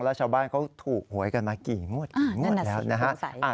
แล้วชาวบ้านเขาถูกหวยกันมากี่งวดกี่งวดแล้วนะฮะ